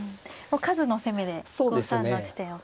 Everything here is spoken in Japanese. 数の攻めで５三の地点を取られると。